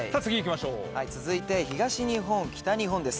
続いて東日本、北日本です。